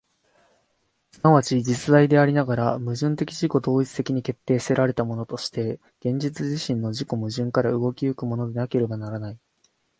即ち実在でありながら、矛盾的自己同一的に決定せられたものとして、現実自身の自己矛盾から動き行くものでなければならない。